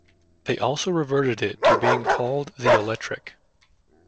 They also reverted it to being called the Electric.